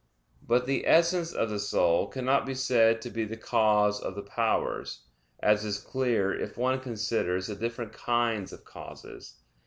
But the essence of the soul cannot be said to be the cause of the powers; as is clear if one considers the different kinds of causes.